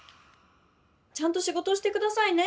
ちゃんとしごとしてくださいね。